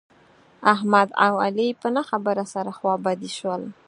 احمد او علي په نه خبره سره خوابدي شول.